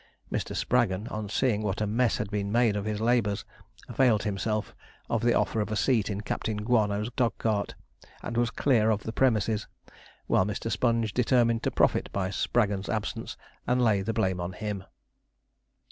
Mr. Spraggon, on seeing what a mess had been made of his labours, availed himself of the offer of a seat in Captain Guano's dog cart, and was clear of the premises; while Mr. Sponge determined to profit by Spraggon's absence, and lay the blame on him.